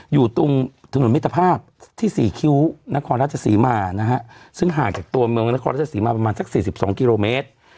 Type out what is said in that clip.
อยู่ตรงถนนมิตรภาพที่สี่คิ้วนครราชศรีมานะฮะซึ่งห่างจากตัวเมืองนครราชสีมาประมาณสัก๔๒กิโลเมตร